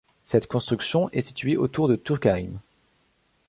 Cette construction est située autour de Turckheim.